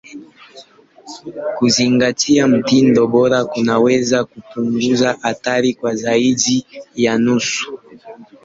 Kuzingatia mtindo bora kunaweza kupunguza hatari kwa zaidi ya nusu.